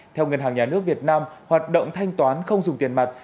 theo ngân hàng nhà nước việt nam hoạt động thanh toán không dùng tiền mặt